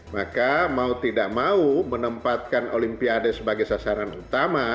maka mau tidak mau menempatkan olimpiade sebagai sasaran utama